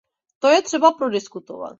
To je třeba prodiskutovat.